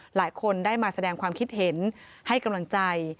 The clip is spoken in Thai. หลายคนได้มาแสดงความคิดเห็นให้กำลังใจ